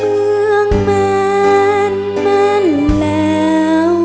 เมืองแม่นแม่นแล้ว